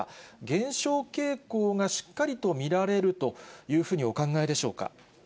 減少傾向がしっかりと見られるというふうにお考えでしょうか。